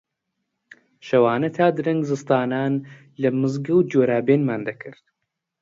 شەوانە تا درەنگ زستانان لە مزگەوت جۆرابێنمان دەکرد